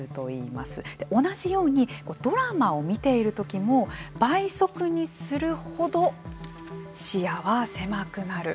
同じようにドラマを見ている時も倍速にするほど視野は狭くなる。